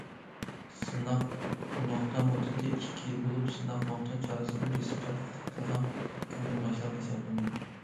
سىناق نۇقتا مۇددىتى ئىككى يىل بولۇپ، سىناق نۇقتا چارىسى بېسىپ تارقىتىلغان كۈندىن باشلاپ ھېسابلىنىدۇ.